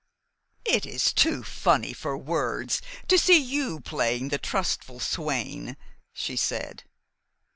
"It is too funny for words to see you playing the trustful swain," she said.